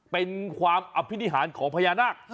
เป็นความอภินิหารของพญานาค